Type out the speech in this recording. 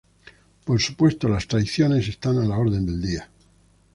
Por supuesto, las traiciones están a la orden del día.